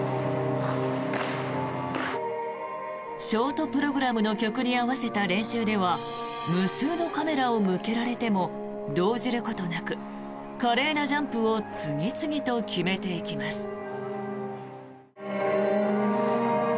ショートプログラムの曲に合わせた練習では無数のカメラを向けられても動じることなく華麗なジャンプを次々と決めていきます。